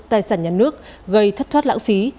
tài sản nhà nước gây thất thoát lãng phí